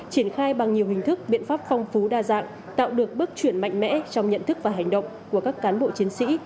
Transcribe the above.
triển khai bằng nhiều hình thức biện pháp phong phú đa dạng tạo được bước chuyển mạnh mẽ trong nhận thức và hành động của các cán bộ chiến sĩ